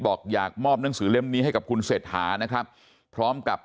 บอกอยากมอบหนังสือเล่มนี้ให้กับคุณเศรษฐานะครับพร้อมกับ